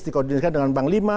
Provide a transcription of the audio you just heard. dikoordinasikan dengan bang lima